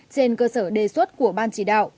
trên cơ sở đề xuất của ban chỉ đạo